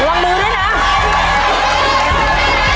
รับทราบรับทราบ